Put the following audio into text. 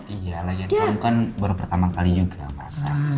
iya lah ya kamu kan baru pertama kali juga masak